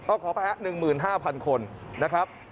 ก็ขอแพ้๑๕๐๐๐คนนะครับ